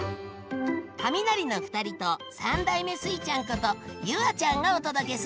カミナリの２人と３代目スイちゃんこと夕空ちゃんがお届けする。